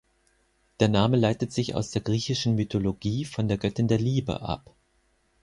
Der Name leitet sich aus der griechischen Mythologie von der Göttin der Liebe ab.